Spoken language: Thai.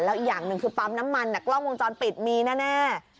อีกอย่างหนึ่งคือปั๊มน้ำมันกล้องวงจรปิดมีแน่